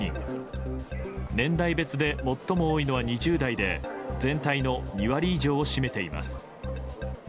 年代別で最も多いのは２０代で全体の２割以上を占めています。